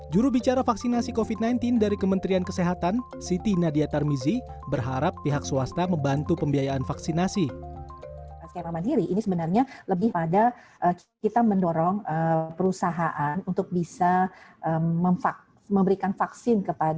jurubicara vaksinasi covid sembilan belas dari kementerian kesehatan siti nadia tarmizi berharap pihak swasta membantu pembiayaan vaksinasi